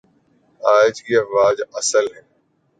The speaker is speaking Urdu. آج کی افواج اصل میں